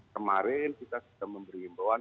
kemarin kita sudah memberi imbauan